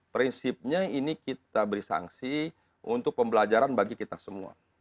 prinsipnya ini kita beri sanksi untuk pembelajaran bagi kita semua